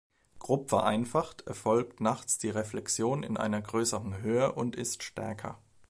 Grob vereinfacht erfolgt nachts die Reflexion in einer größeren Höhe und ist stärker.